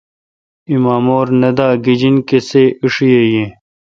ایمامور ام نہ دہ۔ گجین کسے ایݭی یہ۔